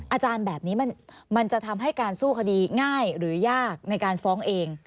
อาจารย์แบบนี้มันจะทำให้การสู้คดีง่ายหรือยากในการฟ้องเอง